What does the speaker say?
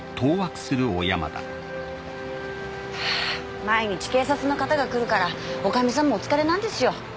ハァ毎日警察の方が来るから女将さんもお疲れなんですよ